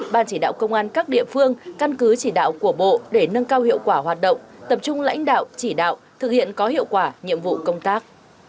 ban chỉ đạo công an các địa phương căn cứ chỉ đạo của bộ để nâng cao hiệu quả hoạt động tập trung lãnh đạo chỉ đạo thực hiện có hiệu quả nhiệm vụ công tác